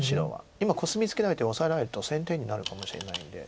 今コスミツケられてオサえられると先手になるかもしれないんで。